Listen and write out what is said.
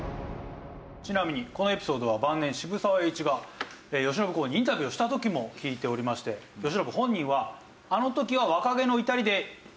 ちなみにこのエピソードは晩年渋沢栄一が慶喜公にインタビューをした時も聞いておりまして慶喜本人はへえ。